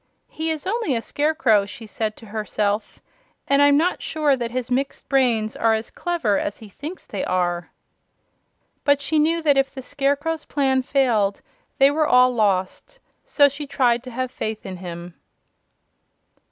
"He is only a Scarecrow," she said to herself, "and I'm not sure that his mixed brains are as clever as he thinks they are." But she knew that if the Scarecrow's plan failed they were all lost; so she tried to have faith in him.